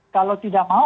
kalau tidak mau